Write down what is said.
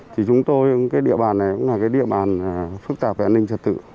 thì chúng tôi cái địa bàn này cũng là cái địa bàn phức tạp về an ninh trật tự